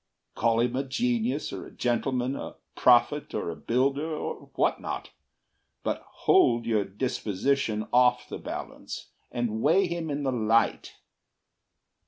Call him a genius or a gentleman, A prophet or a builder, or what not, But hold your disposition off the balance, And weigh him in the light.